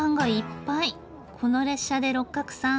この列車で六角さん